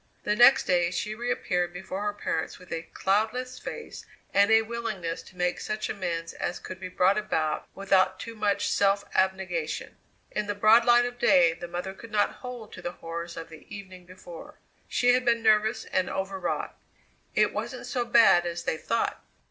The next day she reappeared before her parents with a cloudless face and a willingness to make such amends as could be brought about without too much self abnegation. In the broad light of day the mother could not hold to the horrors of the evening before. She had been nervous and overwrought; it wasn't so bad as they had thought!